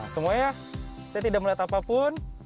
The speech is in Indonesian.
semuanya saya tidak melihat apapun